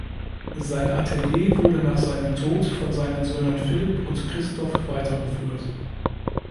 Sein Atelier wurde nach seinem Tod von seinen Söhnen Philipp und Christoph weitergeführt.